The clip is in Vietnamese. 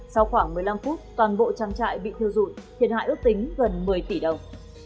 sau khoảng một mươi năm phút toàn bộ trang trại bị thiêu dụi thiệt hại ước tính gần một mươi tỷ đồng